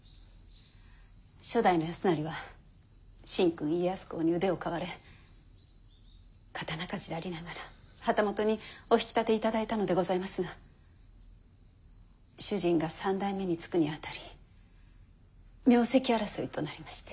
初代の康成は神君家康公に腕を買われ刀鍛冶でありながら旗本にお引き立ていただいたのでございますが主人が三代目に就くに当たり名跡争いとなりまして。